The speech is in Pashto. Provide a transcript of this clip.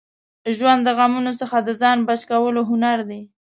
ژوند د غمونو څخه د ځان بچ کولو هنر دی.